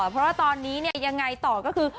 เพราะว่าตอนนี้เนี่ยยังไงต่อก็คือ